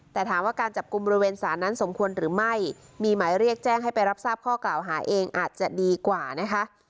แต่ถามว่าการจับกลุ่มบริเวณศาลนั้นสมควรหรือไม่มีหมายเรียกแจ้งให้ไปรับทราบข้อกล่าวหาเองอาจจะดีกว่านะคะ